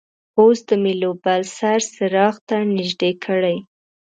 اوس د میلو بل سر څراغ ته نژدې کړئ.